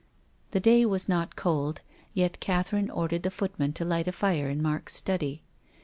The day was not cold. Yet Catherine ordered the footman to light a fire in Mark's study.